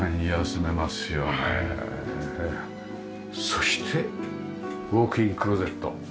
そしてウォークインクローゼット。